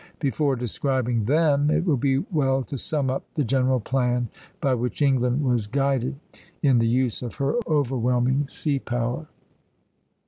Before describing them, it will be well to sum up the general plan by which England was guided in the use of her overwhelming sea power.